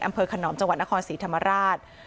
ขนอมจังหวัดนครศรีธรรมราช